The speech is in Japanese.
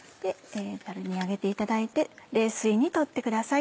ザルに上げていただいて冷水にとってください。